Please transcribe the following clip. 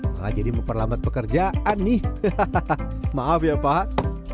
maka jadi memperlambat pekerjaan nih maaf ya pak